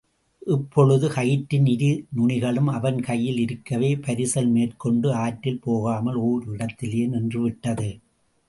இப்பொழுது கயிற்றின் இரு நுனிகளும் அவன் கையில் இருக்கவே, பரிசல் மேற்கொண்டு ஆற்றில் போகாமல் ஓரிடத்திலேயே நின்றுவிட்டது.